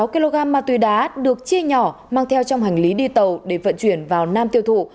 sáu kg ma túy đá được chia nhỏ mang theo trong hành lý đi tàu để vận chuyển vào nam tiêu thụ